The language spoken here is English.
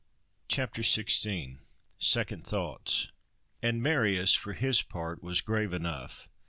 CHAPTER XVI. SECOND THOUGHTS And Marius, for his part, was grave enough.